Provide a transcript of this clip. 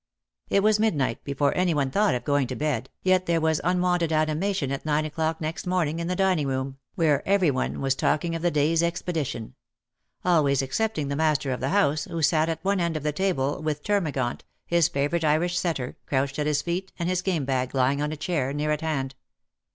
It was midnight before any one thought of going to bed, yet there was unwonted animation at nine o'clock next morning in the dining room, where every one was talking of the day's expedition : always excepting the master of the house, who sat at one end of the table, with Termagant, his favourite Irish setter, crouched at his feet, and his game bag lying on a chair near at hand.